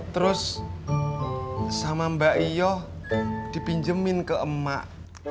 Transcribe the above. terus sama mbak iyo dipinjemin ke emak